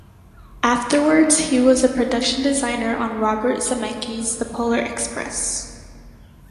Afterwards, he was a production designer on Robert Zemeckis' "The Polar Express".